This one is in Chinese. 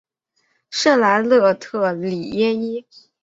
圣莱热特里耶伊。